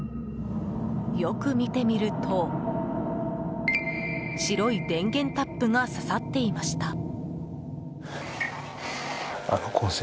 よく見てみると白い電源タップがささっていました。